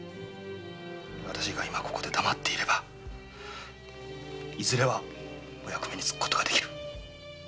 私が今ここで黙っていればいずれはお役目に就くことができる。